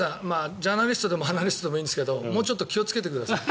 ジャーナリストでもアナリストでもいいんですがもうちょっと気をつけてください。